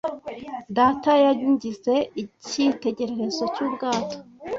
Data yangize icyitegererezo cy'ubwato.